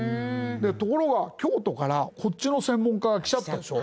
ところが京都からこっちの専門家が来ちゃったでしょ。